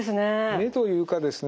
目というかですね